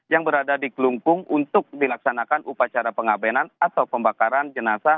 yang berada di kelungkung untuk dilaksanakan upacara pengabenan atau pembakaran jenazah